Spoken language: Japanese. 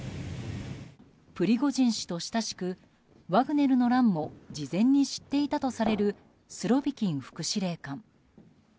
プリゴジン氏と親しくワグネルの乱も事前に知っていたとされるスロビキン副司令官。